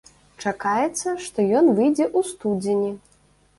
Чакаецца, што ён выйдзе ў студзені.